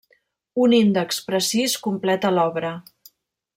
Un índex precís completa l'obra.